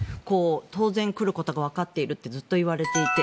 当然、来ることがわかっているってずっと言われていて。